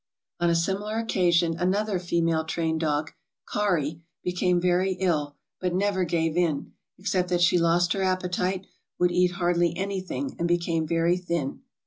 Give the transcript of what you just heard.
On a similar occasion another female train dog, "Kari" became very ill, but never gave in, except that she lost her appetite, would eat hardly anything, and became very thin.